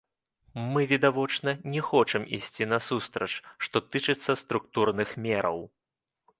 Мы, відавочна, не хочам ісці насустрач, што тычыцца структурных мераў.